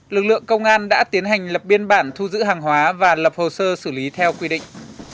lực lượng công an đã tiến hành lập biên bản thu giữ hàng hóa và lập hồ sơ xử lý theo quy định